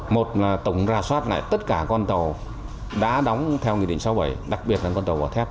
một là tổng ra soát này tất cả con tàu đã đóng theo nghị định sáu bảy đặc biệt là con tàu vào thép